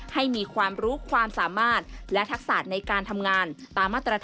ให้มีความรู้ความสามารถ